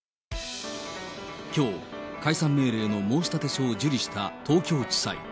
きょう、解散命令の申立書を受理した東京地裁。